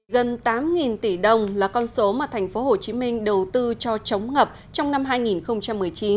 gần tám tỷ đồng là con số mà thành phố hồ chí minh đầu tư cho chống ngập trong năm hai nghìn một mươi chín